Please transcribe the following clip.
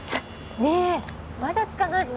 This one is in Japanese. ねえまだ着かないの？